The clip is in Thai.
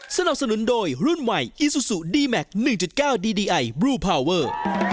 สนับสนุนโดยรุ่นใหม่อีซูซูดีแม็กซ์๑๙ดีดีไอบลูพาวเวอร์